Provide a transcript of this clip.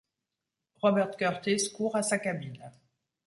Robert Kurtis court à sa cabine.